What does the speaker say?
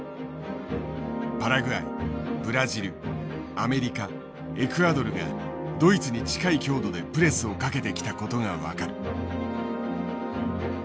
パラグアイブラジルアメリカエクアドルがドイツに近い強度でプレスをかけてきたことが分かる。